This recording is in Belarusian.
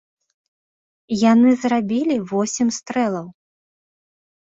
Яны зрабілі восем стрэлаў.